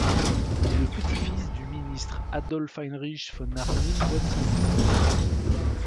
Il est le petit-fils du ministre Adolf Heinrich von Arnim-Boitzenburg.